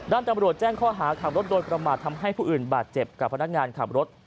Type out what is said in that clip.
ตำรวจแจ้งข้อหาขับรถโดยประมาททำให้ผู้อื่นบาดเจ็บกับพนักงานขับรถ